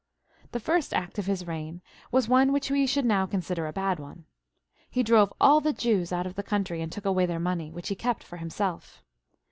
The first act of his reign was one which we should now consider a bad one. He drove all the Jews out of the country and took away their money, which he kept for himself.